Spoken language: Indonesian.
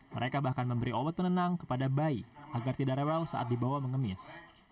mereka bahkan memberi obat penenang kepada bayi agar tidak rewel saat dibawa mengemis